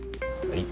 はい。